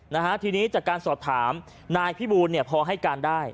นะฮะทีนี้จากการสอบถามนายพี่บูลเนี่ยพอให้การได้